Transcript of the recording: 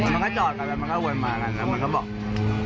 มันก็จอดกันแล้วมันก็วนมากันแล้วมันก็บอก